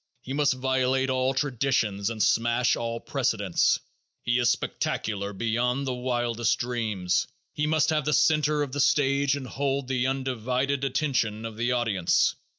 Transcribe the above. He must violate all traditions and smash all precedents. He is spectacular beyond the wildest dreams. He must have the center of the stage and hold the undivided attention of the audience.